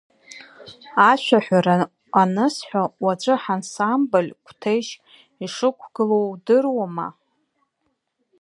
Ашәаҳәара анысҳәа, уаҵәы ҳансамбль Қәҭешь ишықәгыло удыруама?